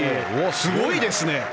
すごいですね。